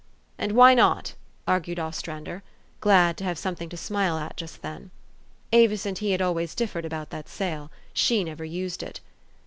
" And why not? " argued Ostrander, glad to have something to smile at just then. Avis and he had always differed about that sail : she never used it.